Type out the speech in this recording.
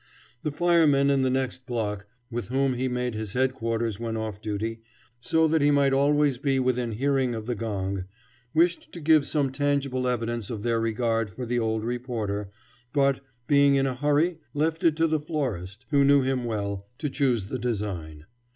The firemen in the next block, with whom he made his headquarters when off duty, so that he might always be within hearing of the gong, wished to give some tangible evidence of their regard for the old reporter, but, being in a hurry, left it to the florist, who knew him well, to choose the design.